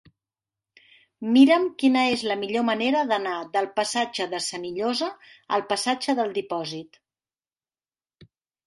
Mira'm quina és la millor manera d'anar del passatge de Senillosa al passatge del Dipòsit.